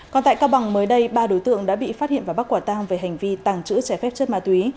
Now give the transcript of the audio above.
còn tại cao bằng mới đây ba đối tượng đã bị phát hiện và bắt quả tang về hành vi tàng trữ trái phép chất ma túy